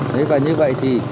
nếu như vậy thì